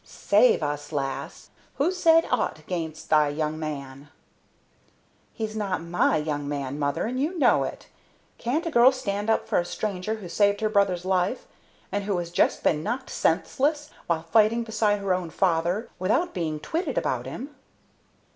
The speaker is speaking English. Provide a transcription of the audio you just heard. "Save us, lass! Who's said aught 'gainst thy young man?" "He's not my young man, mother, and you know it. Can't a girl stand up for a stranger who saved her brother's life, and who has just been knocked senseless while fighting beside her own father, without being twitted about him?"